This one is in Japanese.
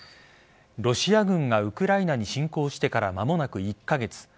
ロシア軍がウクライナに侵攻してから間もなく１カ月。